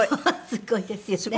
すごいですよね。